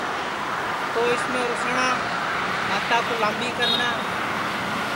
تو اُس میں روسٹؔا ٻاتا کُو لامٻی کرنا